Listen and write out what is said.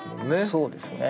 そうですね。